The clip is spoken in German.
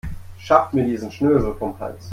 Schafft mir diesen Schnösel vom Hals.